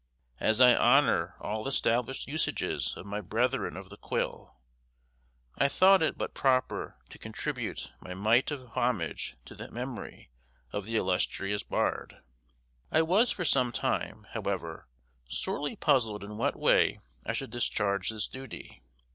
As I honor all established usages of my brethren of the quill, I thought it but proper to contribute my mite of homage to the memory of the illustrious bard. I was for some time, however, sorely puzzled in what way I should discharge this duty.